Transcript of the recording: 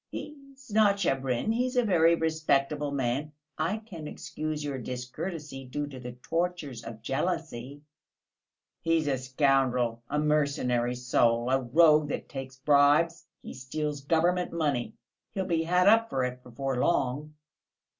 "He's not Shabrin; he is a very respectable man! I can excuse your discourtesy, due to the tortures of jealousy." "He's a scoundrel, a mercenary soul, a rogue that takes bribes, he steals government money! He'll be had up for it before long!"